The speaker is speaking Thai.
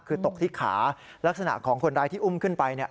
คือตกที่ขาลักษณะของคนร้ายที่อุ้มขึ้นไปเนี่ย